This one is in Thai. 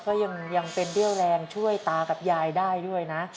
ก็ยังเป็นเรี่ยวแรงช่วยตากับยายได้ด้วยนะ